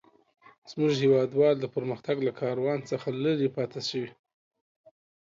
زموږ هيوادوال د پرمختګ له کاروان څخه لري پاته شوي.